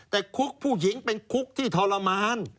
แต่คุกผู้หญิงเป็นคุกที่ทรมาน